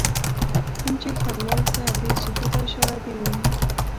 کوم چې ښاروال ته بې ثبوته شرابي وايي.